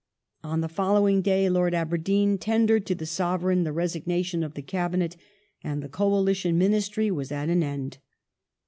On the following day Lord Aberdeen tendered to the Sovereign the resignation of the Cabinet, and the Coalition Ministry was at an end.